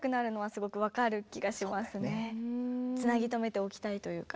つなぎとめておきたいというか。